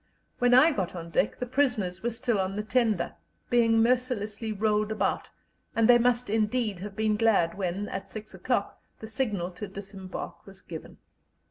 When I got on deck, the prisoners were still on the tender, being mercilessly rolled about, and they must indeed have been glad when, at six o'clock, the signal to disembark was given.